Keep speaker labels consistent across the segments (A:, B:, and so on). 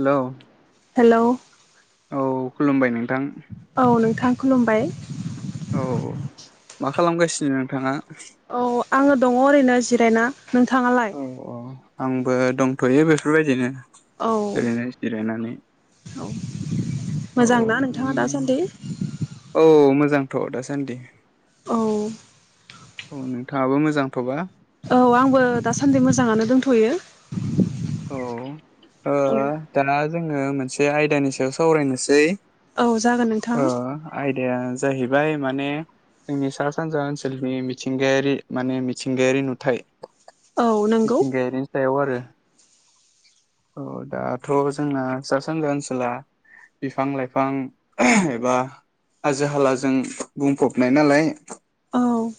A: हेल'।
B: Hello.
A: औ खुलुमबाय नोंथां।
B: औ नोंथां खुलुमबाय।
A: औ मा खालामगासिनो नोंथाङा?
B: औ आङो दङ ओरैनो जिरायना। नोंथाङालाय
A: औ औ आंबो दंथ'यो बेफोरबायदिनो
B: औ
A: ओरैनो जिरायनानै
B: औ
A: औ
B: मोजांना नोंथाङा दासान्दि?
A: औ मोजांथ' दासान्दि।
B: औ।
A: अह नोंथाङाबो मोजांथ'बा?
B: औ आंबो दासान्दि मोजाङानो दों थ'यो।
A: औ ओ दाना जों ओ मोनसे आयदानि सायाव सावरायनोसै।
B: औ जागोन नोंथां
A: अह आयदाया जाहैब बाय माने जोंनि सा सानजा ओनसोलनि मिथिंगायारि माने मिथिंगायारि नुथाय
B: औ नंगौ
A: मिथिंगायारिनि सायाव आरो। अह दाथ' जोंना सा सानजा ओनसोला बिफां लाइफां एबा हाजो हालाजों बुंफबनाय नालाय
B: औ।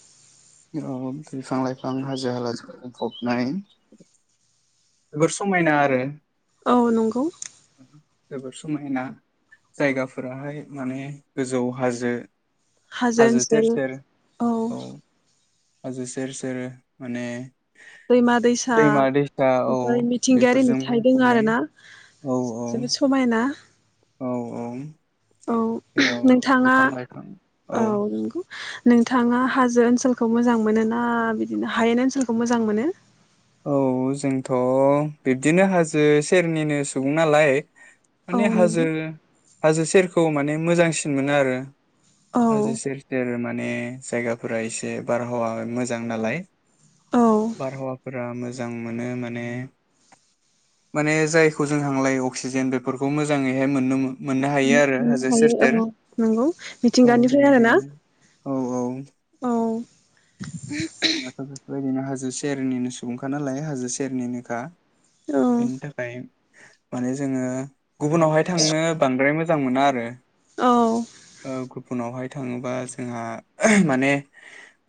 A: ओ बिफां लाइफां हाजो हालाजो बुंफबनाय। जोबोर समायना आरो।
B: औ नंगौ।
A: जोबोर समायना जायगाफोराहाय माने गोजौ हाजो
B: हाजो
A: सेर
B: ओनसोल
A: सेर
B: औ।
A: हाजो सेर सेर माने
B: दैमा दैसा
A: दैमा दैसा औ
B: बेफोर मिथिंगायारि
A: बेफोरजों
B: नुथायदों
A: बुंफबनाय
B: आरोना,
A: औ औ
B: जोबोद समायना।
A: औ
B: औ नोंथाङा
A: औ। औ।
B: नोंथाङा हाजो ओनसोलखौ मोजां मोनोना बिदिनो हायेन ओनसोलखौ मोजां मोनो?
A: औ जोंथ' बिब्दिनो हाजो सेरनिनो सुबुं नालाय
B: औ
A: माने हाजो
B: नंगौ
A: हाजो सेर औ माने मोजांसिन मोनो आरो।
B: औ
A: हाजो सेर सेर माइ ने जायगाफोरा एसे बारहावा मोजां नालाय।
B: औ
A: बारहावा जों मोनो माने माने जायखौ जों हां लायो अक्सिजेन बेफोरखौ मोजाङैहाय मोननो मो
B: मोननो हायो औ नंगौ
A: औ
B: मिथिंगानिफ्राय आरो ना।
A: बेनिखायनो औ
B: औ। [inaudible]
A: जोंहाथ बेफोर बादिनो हाजो सेरनिनो सुबुंखा नालाय हाजो सेरनिनोखा
B: औ
A: बिनि थाखाय माने जोङो गुबुनावहाय थांनो बांद्राय मोजां मोना आरो।
B: औ
A: बुनावहाय थाङोबा जोंहा माने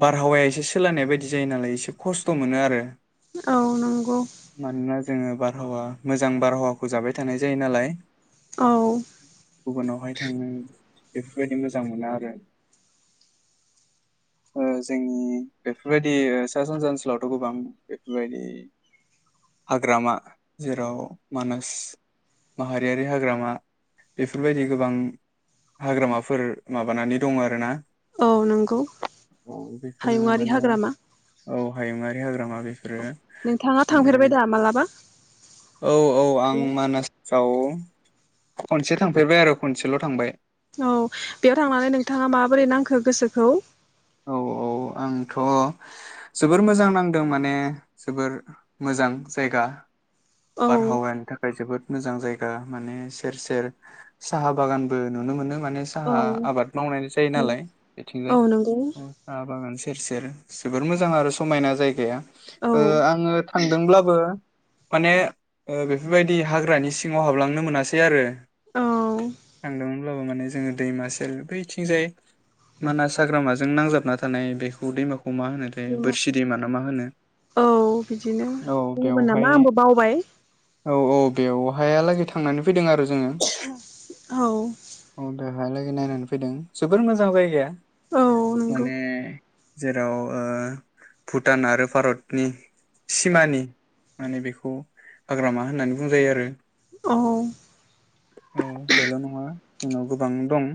A: बारहावाया एसे सोलायनाय बायदि जायो नालाय एसे खस्थ' मोनो आरो
B: औ नंगौ
A: मानोना जोङो बारहावा मोजां बारहावाखौ जाबाय थानाय जायो नालाय।
B: औ
A: गुबुनावहाय थांनो बेफोरबायदि मोजां मोनो आरो ओ जोंनि बेफोरबायदि सा सानजा ओनसोलावथ' गोबां बेफोरबायदि हाग्रामा जेराव मानास माहारियारि हाग्रामा बेफोरबायदि गोबां हाग्रामाफोर माबानानै दङ आरो ना
B: औ नंगौ
A: बेफोरो
B: हायुंआ
A: माने औ हायुआारि हाग्रामा बेफोरो
B: नोंथाङा
A: माने
B: थांफेरबाय दा मालाबा
A: औ औ आं मानासाव खनसे थांफेरबाय आरो खनसेल' थांबाय।
B: औ बेयाव थांनानै नोंथाङा माबोरै नांखो गोसोखौ?
A: औ औ आंथ' जोबोर मोजां नांदों माने जोबोर मोजां जायगा।
B: औ
A: बारहावानि थाखाय जोबोद मोजां जाय गा माने सेर सेर साहा बागानबो नुनो मोनदों माने
B: औ
A: साहा आबाद मावनाय जायो नालाय
B: औ
A: बेथिंजाय
B: नंगौ
A: साहा बागान सेर सेर जोबोर मोजां आरो समायना जायगाया।
B: औ
A: ओ आङो थांदोंब्लाबो माने ओ बेफोरबायदि हाग्रानि सिङाव हाबलांनो मोनासै आरो
B: औ
A: थांदोंमो अब्लाबो माने जोङो दैमा सेर बैथिंजाय मानास हाग्रामाजों नांजाबना थानाय बेखौ दैमा मा होनोथाय बोरसि ना मा होनो?
B: औ बिदिनो
A: औ
B: बुङोमोन
A: बेवहाय
B: नामा आंबो बावबाय
A: औ औ बेवहायालागै थांनानै फैदों आरो जोङो
B: औ
A: बेहालागै नायनानै फैदों जोबोर मोजां जायगाया
B: औ नंगौ
A: माने जेराव ओ भुटान आरो भारतनि सिमानि माने बेखौ हाग्रामा होननानै बुंजायो आरो
B: औ
A: औ बेल' नङा जोंनाव गोबां दं।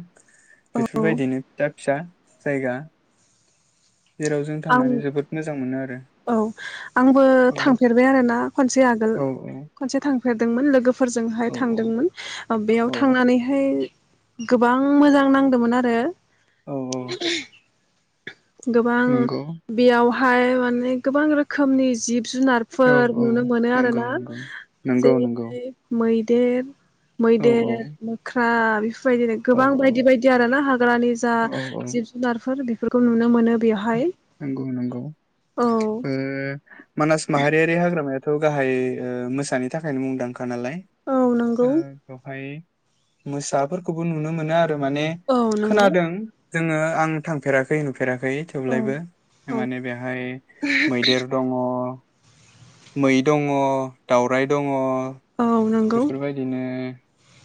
B: औ
A: बेफोरबायदिनो फिसा फिसा जायगा जेराव जों
B: आं
A: थांनानै जोबोद मोजां मोनो आरो
B: औ आंबो
A: औ
B: थांफेरबाय आरोना खनसे आगो गोल
A: औ
B: खनसे थांफेरदोंमोन लोगो फोरजोंहाय
A: औ
B: थांदोंमोन बेयाव
A: औ
B: थांनानैहाय गोबां मोजां नांदोंमोन आरो [inaudible]
A: औ औ
B: गोबां
A: नंगौ
B: बेयाव हाय माने गोबां रोखोमनि जिब
A: औ
B: जुनारफोर
A: औ
B: नुनो मोनो आरो
A: नंगौ
B: ना
A: नंगौ नंगौ नंगौ
B: जेरैहाय मै देब
A: औ औ
B: मैदेर मोख्रा [unintelligible] दिनो
A: औ
B: गोबां बायदि बायदि आरो ना हाग्रानि जा
A: औ औ
B: जिब जुनारफोर बेफोर खौ नुनो मोनो
A: नोंगौ नोंगौ
B: औ
A: ओ मानास माहारियारि हाग्रामाया थ' गाहाय ओ मोसानि थाखायनो मुंदांखा नालाय
B: औ
A: ओ
B: नंगौ
A: बेवहाय मोसाफोरखौबो नुनो मोनो आरो माने
B: औ नंगौ
A: खोनादों जोङो आं थांफेराखै नुफेराखै। ब [unintelligible]
B: औ
A: लायबो
B: औ
A: माने बेहाय मैदेर दङ मै दङ दावराइ दङ
B: औ नों
A: बेफोरबायदिनो ओ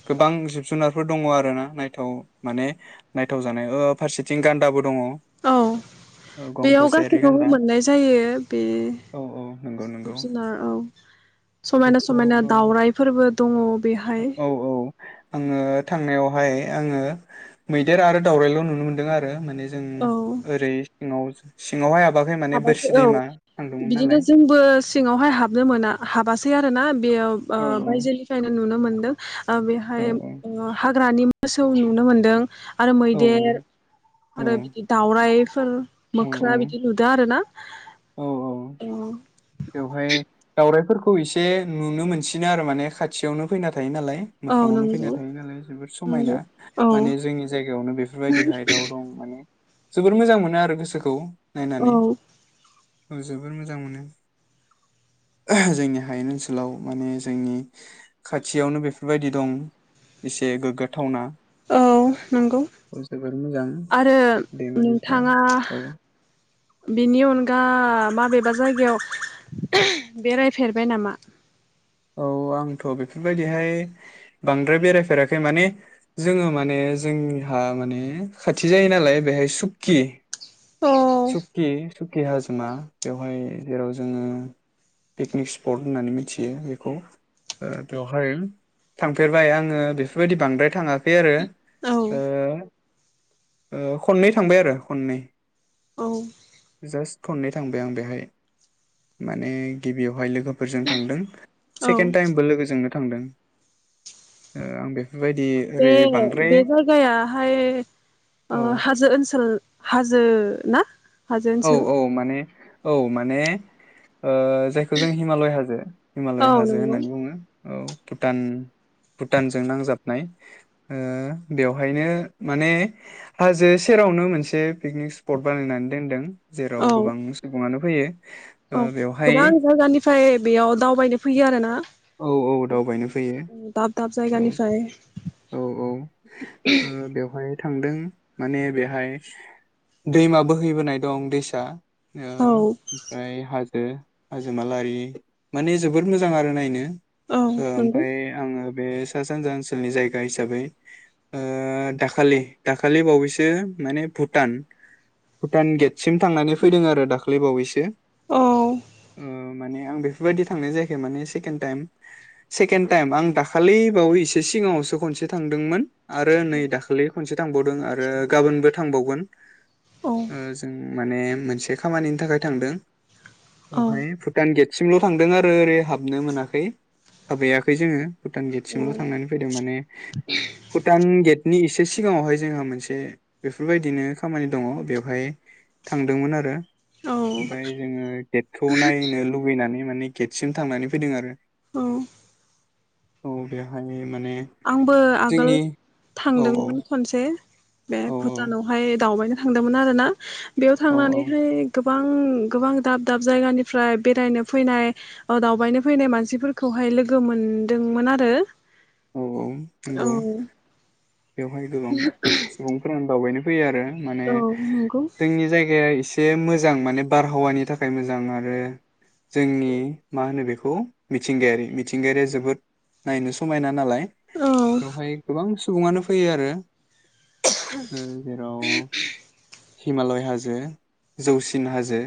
A: गोबां जिब जुनारफोर दङ आरोना नायथाव माने नायथाव जानाय ओ फारसेथिं गान्दा
B: औ बेयाव
A: थसेयारि
B: गासैखौबो
A: गान्दा
B: मोननाय जायो बे
A: औ औ नंगौ नंगौ
B: जिब जुनार औ समायना
A: बेखौ
B: समायना दाउरायइफोरबो दङ बेहाय
A: औ आङो थांनायावहाय आङो मैदेर आरो दावउरायाइल' नुनो मोनदों आरो माने जों
B: औ
A: ओरै सिाव सिङावहाय हाबाखै माने
B: हाबासो
A: बोरसि
B: औ
A: दैमा थांदोंमोन
B: बिदिनो
A: नालाय
B: जोंबो सिङावहाय हाबनो मोना हाबासो आरो ना। बेयाव ओ
A: औ
B: बायजोनिफ्रायनो नुनो मोनो। [inaudible] आ
A: औ
B: बेहाय हाग्रानि मोसौ नुनो मोनदों। आरो
A: औ
B: मैदेर
A: औ
B: आरो बिदि दावराइ ओ।
A: औ
B: मोख्रा बिदि
A: औ
B: नुदों। आरो ना?
A: औ औ। बेवहाय दावरायइफोरखौ खौ इसे नुनो मोनसिनो आरो माने खाथियावनो फैना थायो नालाय।
B: औ
A: मोखाङावनो फैना
B: नंगौ
A: थायो नालाय जोबोद समायना
B: नंगौ औ
A: माने जोंनि जायगायावनो बेफोरबायदिहाय दाउ दं माने जोबोर मोजां मोनो आरो गोसोखौ।
B: औ
A: नायनानै। औ जोबोर मोजां मोनो। जोंनि हायेन ओनसोलाव माने जोंनि खाथियावनो बेफोर बायदि दं एसे गोग्गाथावना।
B: औ नंगौ
A: औ जोबोर मोजां
B: आरो
A: दैमा दैसा
B: नोंथाङा
A: औ
B: बिनि अनगा माबेबा जायगायाव बेरायफेरबाय नामा?
A: औ आंथ' बेफोर बायदिहाय बांद्राय बेरायफेराखै माने जोङो माने जोंनिहा माने खाथि जायो नालाय बेहाय सुक्कि।
B: औ
A: सखि सखि। केे हाजोमा बेवहाय जेराव जोङो पिकनिक स्पट होननानै मिथियो बेखौ बेवहाय थांफेरबाय आङो बेफोर बायदि बांद्राय थाङाखै आरो।
B: औ
A: ओं। ओ खननै थांबाय आरो खननै।
B: औ।
A: जास्ट खननै थांबाय आं बेहाय माने गिबियावहाय लोगोफोरजों थांदों।
B: औ
A: सेकेणड टाइमबो लोगो जोंनो। थांदों आं बे
B: बे बे जायगायाहाय
A: औ
B: हाजो ओनसोल हाजो ना। हाजो
A: औ
B: ओनसोल
A: औ माने औ। माने। ओ जायखौ जों हिमालय हाजो हिमालय
B: औ
A: हाजो
B: नंगौ
A: होननानै बुङो। औ भुटान भुटानजों नांजाबनाय ओ बेवहायनो माने हाजो सेरावनो मोनसे पिकनिक स्पट बानायनानै दोनदों।
B: औ
A: जेराव गोबां सुबङानो फैयो
B: औ
A: ओ बेवहाय
B: गोबां जायगानिफ्राय बेयाव दावबायनो फैयो आरोना
A: औ औ दावबायनो फैयो
B: दाब दाब
A: औ
B: जायगानिफ्राय।
A: औ औ
B: [inaudible]
A: ओ बेवहाय थांदों माने बेहाय दैमा बोहैबोनाय दं दैसा ओ
B: औ
A: ओमफ्राय हाज ओ हाजोमा लारि माने जोबोर मोजां आरो नायनो।
B: औ नंगौ
A: ओमफ्राय आङो। बे सा सानजा ओनसोलनि जाय गा हिसाबै दाखालि दाखालि बावैसो माने भुटान भुटान गेटसिम थांनानै फैदों आरो दाखालि बावैसो
B: औ
A: अ माने आं बेफोर बायदि थांनाय जायाखै माने सेकेण टाइम सेकेण टाइम आं दाखालि बावै एसे सिगाङावसो खनसे थांदोंमोन। आरो नै दाख्लिय खनसे। थांबावदों आरो गाबोनबो थांबावगोन
B: औ
A: ओ जोंङो माने मोनसे खामानिनि थाखाय थांदों
B: औ
A: अहाय भुतान गेट सिमल थांदों आरो ओरै हाबनो मोनाखै हाबहैयाखै जोङो भुटान गेट सिमल थांनानै फैदों माने भुटान गेटनि एसे सिगाङावहाय जोंहा मोनसे बेफोरबायदिनो खामानि दङ बेवहाय थांदोंमोन आरो
B: औ
A: आमफ्राय जोङो गेटखौ नायनो लुुबैनानै माने गेटसिम थांनानै फैदों आरो
B: औ
A: औ बेवहाय माने
B: आंबो आगोल
A: जोंनि औ औ
B: थांदोंमोन खनसे बे
A: औ
B: भुटानावहाय दावबायनो थांदोंमोन आरोना बेयाव
A: औ
B: थांनानैहाय गोब गोबां गोबां दाब दाब जायगानिफ्राय बेरायनो फैनाय दावबायनो फैनाय मानसिफोरखौहाय लोगो मोनदोंमोन आरो
A: औ औ
B: औ
A: नंगौ बेवहाय गोबां सुबुंफोरानो दावबायनो फैयो आरो माने
B: औ नंगौ
A: जोंनि जायगाया एसे एसे मोजां माने बारहावानि थाखाय मोजां आरो जोंनि मा होनो बेखौ मिथिंगायारि मिथिंगायारिया जोबोद नायनो समायना नालाय
B: औ
A: बेवहाय गोबां सुबुङानो फैयो आरो। ओ जेराव हिमालय हाजो जौसिन हाजो।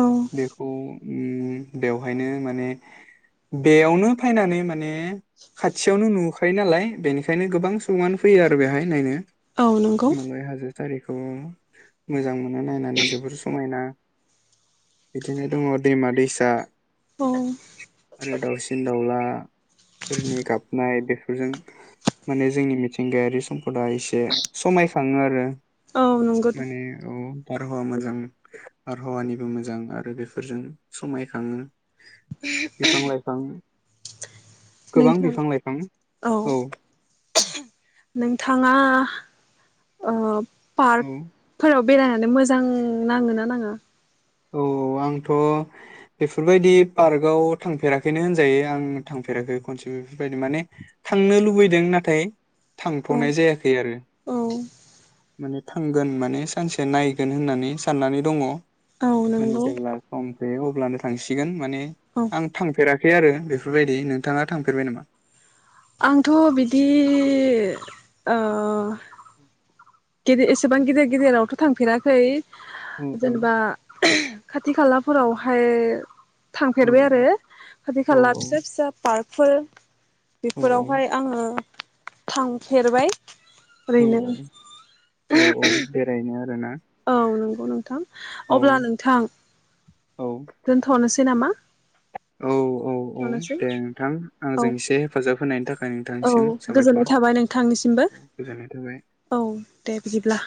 B: औ
A: बेखौ ओम बेवहायनो माने बेयावनो फैनानै माने खाथियावनो नुखायो। फैयो नालाय बेनिखायनो गोबां बुंआनो फैयो आरो बेहाय नायनो।
B: औ नंगौ
A: मङाय हाजो टारिखौ मोजां मोनो। थांनो नायनानै जोबोर समायना। बिदिनो दङ दैमा दैसा।
B: औ
A: आरो दाउसिन दाउला फोरनि गाबनाय बे फोरजों माने जोंनि मिथिंगायारि सम बा एसे समायखाङो आरो
B: औ नंगौ
A: माने औ। बारहावा मोजां बारहावानिबो मोजां आरो बेफोरजों समायखाङो। बिफां लाइफां गोबां
B: नोंथां
A: बिफां लाइफां औ।
B: नोंथाङा ओ
A: औ
B: पार्कफोराव बेरायनानै मोजां नाङो ना नाङा?
A: औ औ आंथ' बेफोरबायदि पार्कआव थांफेराखैनो होनजायो आं थांफेराखै खनसे बेफोरबायदि माने थांनो लुबैदों नाथाय
B: औ
A: थांथ'नाय जायाखै आरो
B: औ
A: माने थांगोन माने सानसे नायगोन होननानै साननानै दङ।
B: औ
A: माने
B: नंगौ
A: जेब्ला सम बे अब्लानो थांसिगोन माने
B: औ
A: आं थांफेरा। खै आरो बेफोरबायदि नोंथाङा थांफेरबाय नामा?
B: आंथ' बिदि ओ गिदि एसेबां गिदिर गिदिरावथ' थांफेराखै।
A: औ औ
B: जेनेबा खाथि खाला फोरावहाय
A: औ
B: थांफेरबाय आरो खाथि
A: औ
B: खाला फिसा फिसा पार्क [unintelligible]
A: औ
B: बेफोरावहाय
A: औ
B: आङो थांफेरबाय
A: औ
B: ओरैनो
A: औ औ औ बेराय [unintelligible]
B: औ नोंगौ नोंथां
A: औ
B: अब्ला नोंथां
A: औ
B: दोनथ'नोसै नामा?
A: औ औ औ
B: थनोसै
A: दे नोंथां
B: औ
A: आंजों एसे हेफाजाब होनायनि थाखाय
B: औ
A: नोंथांनिसिम साबायखर
B: गोजोननाय थाबाय नोंथांनिसिमबो
A: गोजोननाय थाबाय
B: औ दे बिदिब्ला